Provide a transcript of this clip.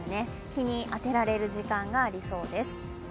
日に当てられる時間がありそうです。